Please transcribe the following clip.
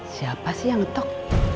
siapa sih yang betok